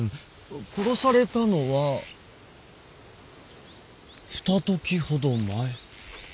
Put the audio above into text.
殺されたのは二刻ほど前。